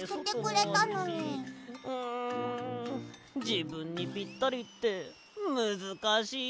じぶんにぴったりってむずかしい。